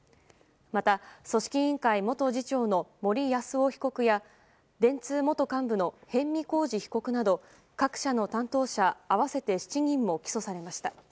また、組織委員会元次長の森泰夫被告や電通元幹部の逸見晃治被告など各社の担当者合わせて７人も起訴されました。